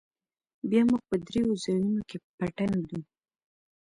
بيا موږ په درېو ځايونو کښې پټن ږدو.